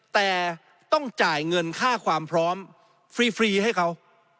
แต่ต้องจ่ายเงินค่าความพร้อมฟรีให้เขา